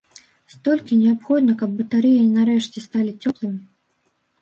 Столькі неабходна, каб батарэі нарэшце сталі цёплымі.